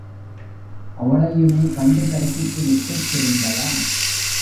அவளையுமே கண்டு தரிசித்து விட்டுத் திரும்பலாம்.